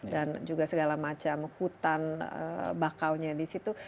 dan juga segala macam hutan bakaunya di situ